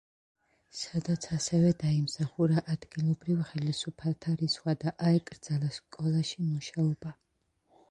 სადაც ასევე დაიმსახურა ადგილობრივ ხელისუფალთა რისხვა და აეკრძალა სკოლაში მუშაობა.